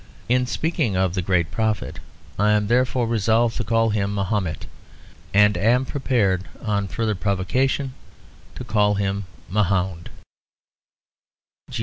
In speaking of the great prophet I am therefore resolved to call him Mahomet; and am prepared, on further provocation, to call him Mahound.